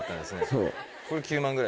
そう。